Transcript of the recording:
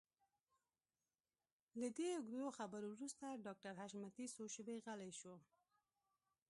له دې اوږدو خبرو وروسته ډاکټر حشمتي څو شېبې غلی شو.